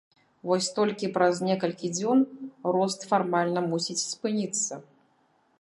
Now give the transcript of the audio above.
Вось толькі праз некалькі дзён рост фармальна мусіць спыніцца.